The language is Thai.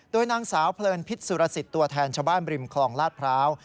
โดยนางสาวเพลินพิษสุรสิทธิ์ตัวแทนชาวบ้านบริมคลองลาดพร้าว